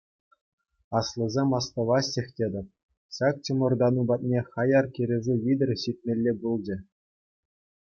Аслисем астӑваҫҫех тетӗп: ҫак чӑмӑртану патне хаяр кӗрешӳ витӗр ҫитмелле пулчӗ.